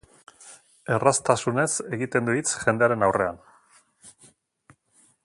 Erraztasunez egiten du hitz jendearen aurrean.